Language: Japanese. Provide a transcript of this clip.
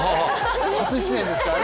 初出演ですからね。